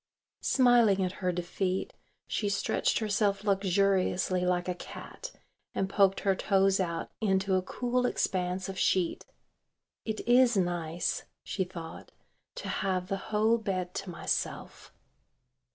Smiling at her defeat she stretched herself luxuriously like a cat and poked her toes out into a cool expanse of sheet. "It is nice," she thought, "to have the whole bed to myself."